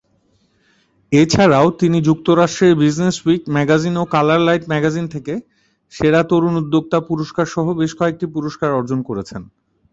এছাড়াও তিনি যুক্তরাষ্ট্রের "বিজনেস উইক" ম্যাগাজিন ও কালার লাইট ম্যাগাজিন থেকে ‘সেরা তরুণ উদ্যোক্তা’ পুরস্কারসহ বেশ কয়েকটি পুরস্কার অর্জন করেছেন।